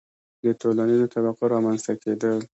• د ټولنیزو طبقو رامنځته کېدل.